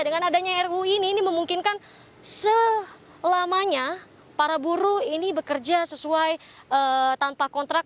dengan adanya ruu ini ini memungkinkan selamanya para buruh ini bekerja sesuai tanpa kontrak